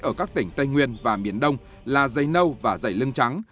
ở các tỉnh tây nguyên và miền đông là dây nâu và dày lưng trắng